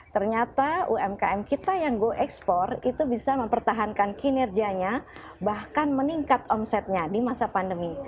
ternyata umkm kita yang go ekspor itu bisa mempertahankan kinerjanya bahkan meningkat omsetnya di masa pandemi